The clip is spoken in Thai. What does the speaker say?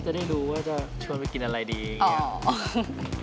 จะได้รู้ว่าจะชวนไปกินอะไรดีอย่างนี้